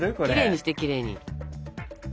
きれいにしてきれいに。